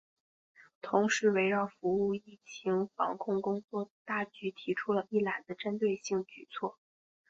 同时围绕服务疫情防控工作大局提出了“一揽子”针对性举措